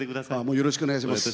よろしくお願いします。